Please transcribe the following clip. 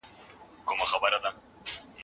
د ودانۍ رنګ ولي ځانګړی دی؟